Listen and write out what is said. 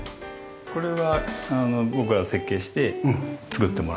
これは僕が設計して作ってもらいました。